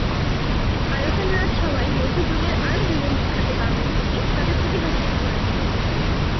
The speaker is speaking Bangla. আরাকান রাজসভায় মধ্যযুগের আরো দুজন বিখ্যাত বাঙালি কবি তাদের প্রতিভার স্বাক্ষর রাখেন।